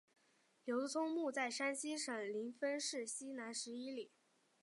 刘聪墓在山西省临汾市西南十一里。